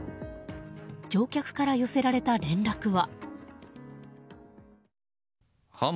乗客から寄せられた連絡は。